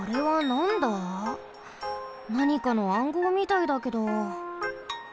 なにかの暗号みたいだけど。